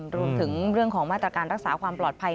รวมถึงเรื่องของมาตรการรักษาความปลอดภัย